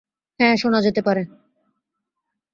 হ্যাঁ, শোনা যেতে পারে।